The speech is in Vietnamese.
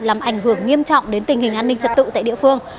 làm ảnh hưởng nghiêm trọng đến tình hình an ninh trật tự tại địa phương